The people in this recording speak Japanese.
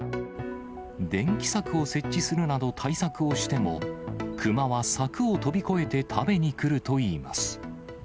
電気柵を設置するなど、対策をしても、クマは柵を飛び越えて食べに来るといいます。